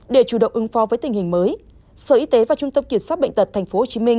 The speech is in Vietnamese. để chủ động ứng phó với tình hình mới sở y tế và trung tâm kiểm soát bệnh tật tp hcm